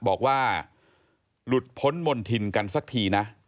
บอกว่าหลุดพ้นมณฑินกันสักทีนะ